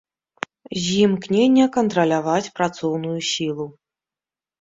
З імкнення кантраляваць працоўную сілу.